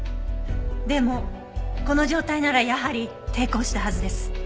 でもこの状態ならやはり抵抗したはずです。